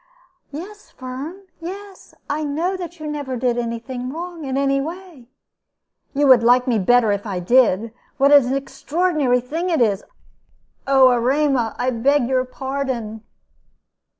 "Yes, Firm; yes, I know that you never did any thing wrong in any way." "You would like me better if I did. What an extraordinary thing it is! Oh, Erema, I beg your pardon."